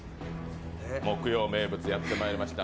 木曜名物、やってまいりました。